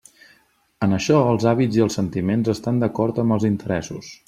En això els hàbits i els sentiments estan d'acord amb els interessos.